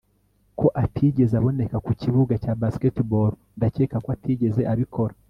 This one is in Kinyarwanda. ko atigeze aboneka ku kibuga cya basketball. ndakeka ko atigeze abikora